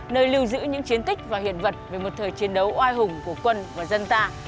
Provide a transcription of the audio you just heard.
nơi lưu giữ những chiến tích và hiện vật về một thời chiến đấu oai hùng của quân và dân ta